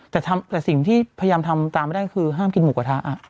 แต่สิ่งที่พยายามทำตามไม่ได้คือห้ามกินหมูกระทะ